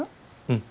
うん。